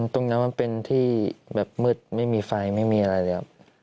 ตรงนั้นมันเป็นที่แบบมืดไม่มีไฟไม่มีอะไรเลยครับ